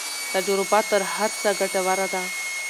تجربه تر هر څه ګټوره ده.